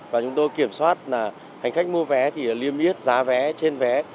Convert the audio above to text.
và chúng tôi kiểm soát là hành khách mua vé thì liêm yết giá vé trên vé